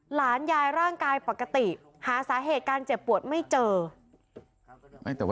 หลานยายร่างกายปกติหาสาเหตุการเจ็บปวดไม่เจอ